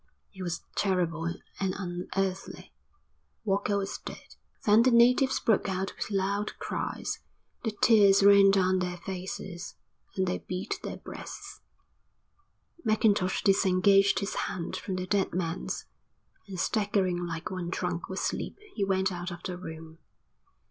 It was terrible and unearthly. Walker was dead. Then the natives broke out with loud cries. The tears ran down their faces, and they beat their breasts. Mackintosh disengaged his hand from the dead man's, and staggering like one drunk with sleep he went out of the room.